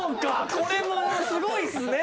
これもすごいっすね